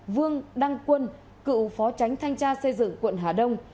vương đăng quân cựu phó tránh thanh tra xây dựng quận hà đông